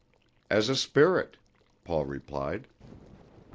"As a Spirit," Paul replied.